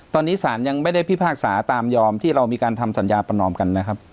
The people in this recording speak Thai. ตอนนี้สารยังไม่ได้พิพากษาตามยอมที่เรามีการทำสัญญาประนอมกันนะครับ